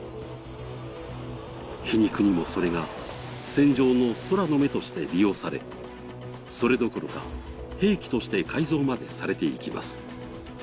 皮肉にもそれが戦場の空の目として利用され、それどころか、兵器として改造までされていきます。